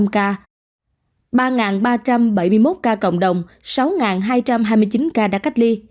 ba ba trăm bảy mươi một ca cộng đồng sáu hai trăm hai mươi chín ca đã cách ly